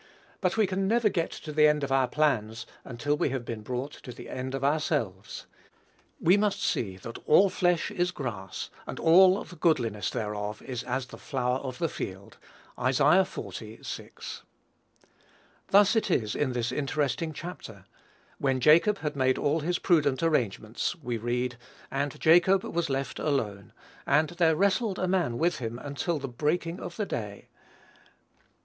But we can never get to the end of our plans until we have been brought to the end of ourselves. We must see that "all flesh is grass, and all the goodliness thereof is as the flower of the field." (Isa. xl. 6.) Thus it is in this interesting chapter; when Jacob had made all his prudent arrangements, we read, "And Jacob was left alone; and there wrestled a man with him until the breaking of the day."